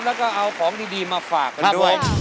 แล้วก็เอาของดีมาฝากกันด้วย